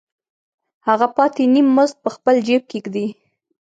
هغه پاتې نیم مزد په خپل جېب کې ږدي